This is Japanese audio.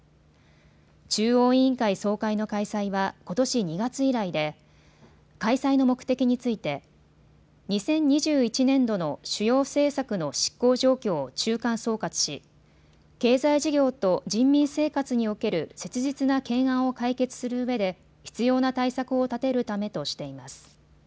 中央委員会総会の開催はことし２月以来で開催の目的について２０２１年度の主要政策の執行状況を中間総括し経済事業と人民生活における切実な懸案を解決するうえで必要な対策を立てるためとしています。